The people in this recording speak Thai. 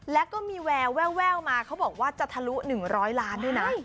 แล้วก็มีแววแววมาเขาบอกว่าจะทะลุ๑๐๐ล้านด้วยนะ